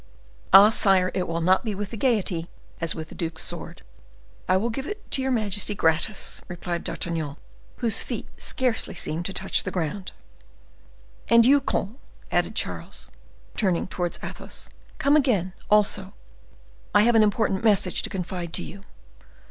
"Ah! sire, it will not be with the gayety as with the duke's sword; I will give it to your majesty gratis," replied D'Artagnan, whose feet scarcely seemed to touch the ground. "And you, comte," added Charles, turning towards Athos, "come again, also; I have an important message to confide to you.